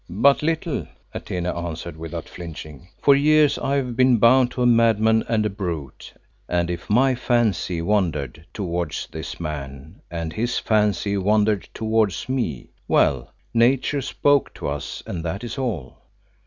"But little," Atene answered, without flinching. "For years I have been bound to a madman and a brute, and if my fancy wandered towards this man and his fancy wandered towards me well, Nature spoke to us, and that is all.